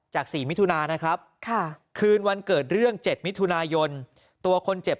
๔มิถุนานะครับคืนวันเกิดเรื่อง๗มิถุนายนตัวคนเจ็บ